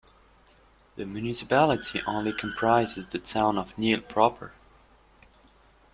The municipality only comprises the town of Niel proper.